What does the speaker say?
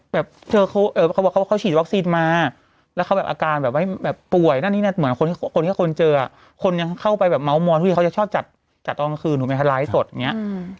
แบบว่าเขาฉีดวัคซีนมาแล้วเขาแบบอาการแบบป่วยนั่นนี่เนี่ยเหมือนคนที่เขาเจอคนยังเข้าไปแบบเม้ามอนทุกทีเขาจะชอบจัดตอนกลางคืนถูกมั้ยฮะร้ายสดอย่างเงี้ย